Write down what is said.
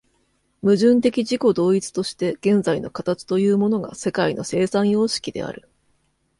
矛盾的自己同一として現在の形というものが世界の生産様式である。